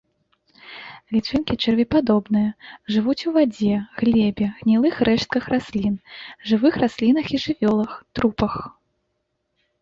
Лічынкі чэрвепадобныя, жывуць у вадзе, глебе, гнілых рэштках раслін, жывых раслінах і жывёлах, трупах.